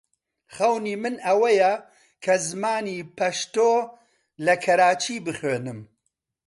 خەونی من ئەوەیە کە زمانی پەشتۆ لە کەراچی بخوێنم.